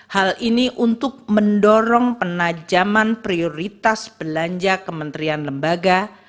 hal ini untuk mendorong penajaman prioritas belanja kementerian lembaga